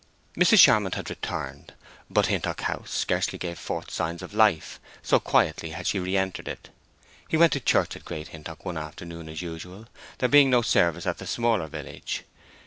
Mrs. Charmond had returned. But Hintock House scarcely gave forth signs of life, so quietly had she reentered it. He went to church at Great Hintock one afternoon as usual, there being no service at the smaller village.